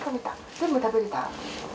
全部食べれた？